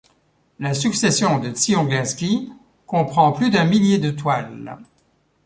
La succession de Tsionglinski comprend plus d'un millier de toiles.